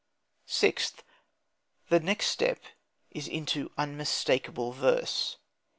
Sixth: The next step is into unmistakable verse.